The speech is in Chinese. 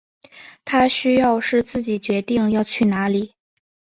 他需要是自己决定要去哪里